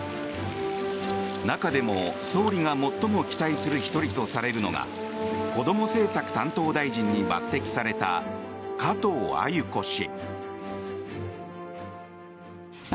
中でも総理が最も期待する１人とされるのがこども政策担当大臣に抜てきされた加藤鮎子氏。